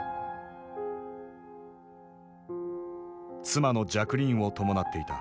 妻のジャクリーンを伴っていた。